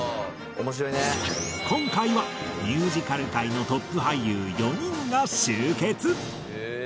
今回はミュージカル界のトップ俳優４人が集結！